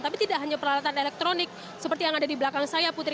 tapi tidak hanya peralatan elektronik seperti yang ada di belakang saya putri